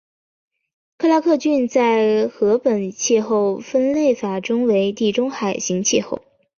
克拉克郡在柯本气候分类法中为地中海型气候。